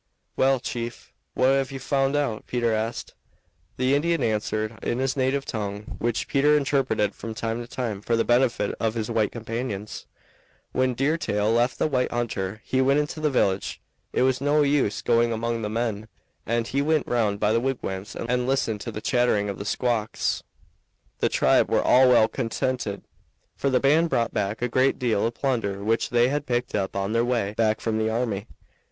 "Well, chief, what have you found out?" Peter asked. The Indian answered in his native tongue, which Peter interpreted from time to time for the benefit of his white companions: "When Deer Tail left the white hunter he went into the village. It was no use going among the men, and he went round by the wigwams and listened to the chattering of the squaws. The tribe were all well contented, for the band brought back a great deal of plunder which they had picked up on their way back from the army.